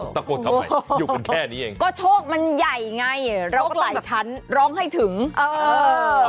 ทำไมอยู่กันแค่นี้เองก็โชคมันใหญ่ไงร้องหลายชั้นร้องให้ถึงเออ